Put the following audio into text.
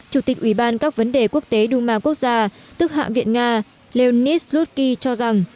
chủ tịch ủy ban các vấn đề quốc tế đu ma quốc gia tức hạ viện nga leonid slutsky cho rằng